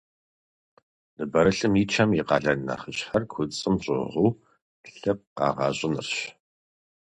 Ныбэрылъым и чэм и къалэн нэхъыщхьэр куцӏым щӏыгъуу лъы къэгъэщӏынырщ.